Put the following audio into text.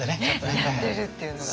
やってるっていうのが。